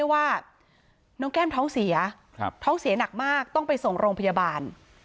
ว่าน้องแก้มท้องเสียท้องเสียหนักมากต้องไปส่งโรงพยาบาล